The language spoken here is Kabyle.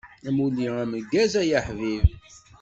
Amulli ameggaz ay aḥbib.